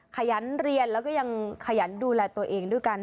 ขยันเรียนแล้วก็ยังขยันดูแลตัวเองด้วยกัน